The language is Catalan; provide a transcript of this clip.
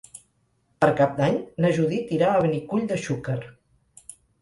Per Cap d'Any na Judit irà a Benicull de Xúquer.